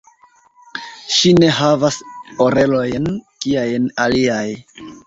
Ŝi ne havas orelojn kiajn aliaj.